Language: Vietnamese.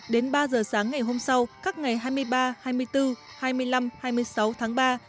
đến ba giờ sáng ngày hôm sau các ngày hai mươi ba hai mươi bốn hai mươi năm hai mươi sáu tháng ba